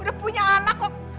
udah punya anak kok